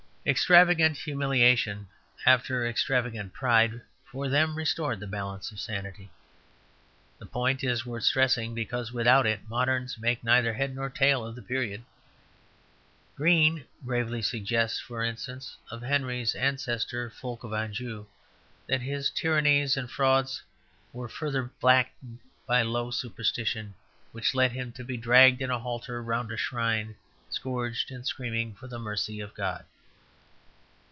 Extravagant humiliation after extravagant pride for them restored the balance of sanity. The point is worth stressing, because without it moderns make neither head nor tail of the period. Green gravely suggests, for instance, of Henry's ancestor Fulk of Anjou, that his tyrannies and frauds were further blackened by "low superstition," which led him to be dragged in a halter round a shrine, scourged and screaming for the mercy of God.